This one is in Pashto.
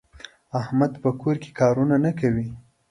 احمد په کور کې کار نه کوي.